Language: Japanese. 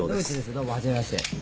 どうもはじめまして」